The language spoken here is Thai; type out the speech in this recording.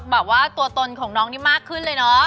แบบว่าตัวตนของน้องนี่มากขึ้นเลยเนอะ